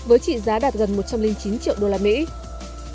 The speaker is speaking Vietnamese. với trị giá đạt gần một trăm linh chín triệu đô la mỹ